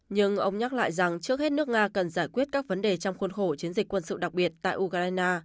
nhưng ông nhắc lại rằng trước hết nước nga cần giải quyết các vấn đề trong khuôn khổ chiến dịch quân sự đặc biệt tại ukraine